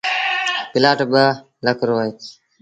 پلآٽ ٻآ لک رو اهي۔